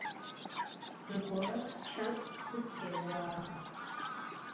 Zıgore pççem khıtêuağ.